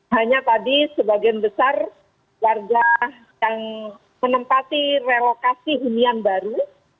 hanya tadi sebagian besar warga yang menempati relokasi hunian baru